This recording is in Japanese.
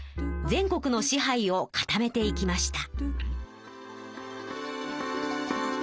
全国の支配を固めていきました。